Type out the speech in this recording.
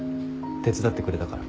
手伝ってくれたから。